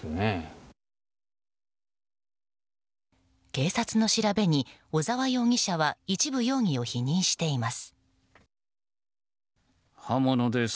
警察の調べに、小沢容疑者は一部容疑を否認しています。